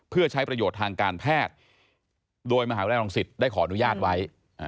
เพื่อใช้ประโยชน์ทางการแพทย์โดยมหาวิทยาลังศิษย์ได้ขออนุญาตไว้